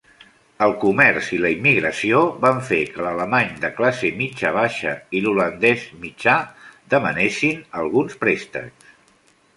El comerç i la immigració van fer que l'alemany de classe mitja-baixa i l'holandès mitjà demanessin alguns préstecs.